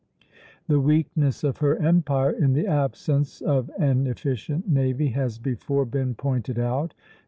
The weakness of her empire, in the absence of an efficient navy, has before been pointed out.